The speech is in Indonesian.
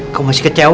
kamu masih kecewa